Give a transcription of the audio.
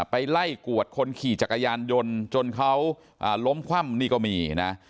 ไปไล่กวดคนขี่จักรยานยนต์จนเขาล้มคว่ำนี่ก็มีนะ